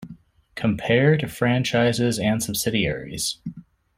Compare to franchises and subsidiaries.